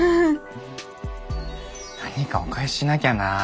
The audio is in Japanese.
何かお返ししなきゃなあ。